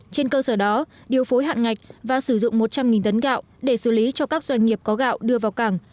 trên cơ sở đó điều phối hạn ngạch và sử dụng một trăm linh tấn gạo để xử lý cho các doanh nghiệp có gạo đưa vào cảng